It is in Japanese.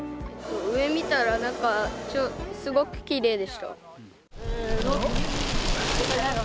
上、見たらなんかすごくきれせーの。